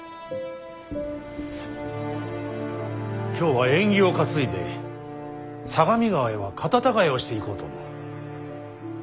今日は縁起を担いで相模川へは方違えをしていこうと思う。